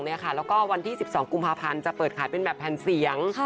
แล้วก็วันที่๑๒กุมภาพันธ์จะเปิดขายเป็นแบบแผ่นเสียง